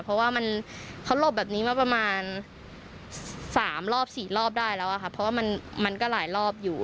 เพราะว่ามันเขาหลบแบบนี้มาประมาณ๓รอบ๔รอบได้แล้วอะค่ะเพราะว่ามันก็หลายรอบอยู่